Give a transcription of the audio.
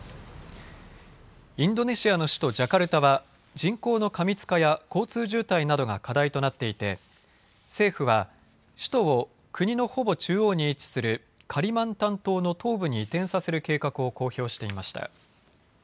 インドネシアの首都ジャカルタは人口の過密化や交通渋滞などが課題となっていて政府は首都を国のほぼ中央に位置するカリマンタン島の東部に移転させる計画を公表していました。